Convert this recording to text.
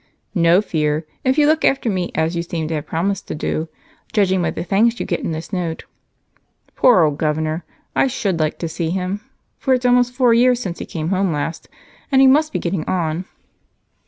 "No fear, if you look after me as you seem to have promised to do, judging by the thanks you get in this note. Poor old governor! I should like to see him, for it's almost four years since he came home last and he must be getting on."